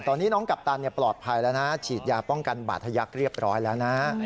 ตอนนี้น้องกัปตันปลอดภัยแล้วนะฉีดยาป้องกันบาดทะยักษ์เรียบร้อยแล้วนะ